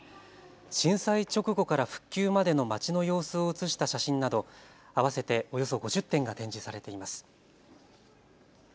震災直後から復旧までのまちの様子を写した写真など合わせておよそ５０点が展示されています。